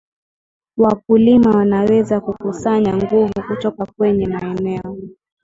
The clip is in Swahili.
wakulima wanaweza kukusanya nguvu kutoka kwenye maneno